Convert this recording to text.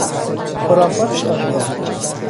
خرافات ساده لوحانه